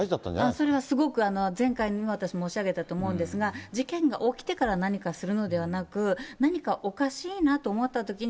それはすごく、前回にも私申し上げたと思うんですが、事件が起きてから何かするのではなく、何かおかしいなと思ったときに、